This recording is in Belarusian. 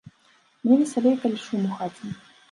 Мне весялей, калі шум у хаце.